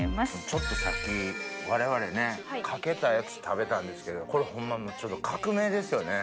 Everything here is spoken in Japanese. ちょっとさっき我々ねかけたやつ食べたんですけどこれホンマ革命ですよね